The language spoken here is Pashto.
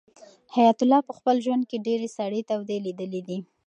حیات الله په خپل ژوند کې ډېرې سړې تودې لیدلې دي.